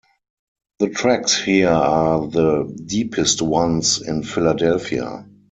The tracks here are the deepest ones in Philadelphia.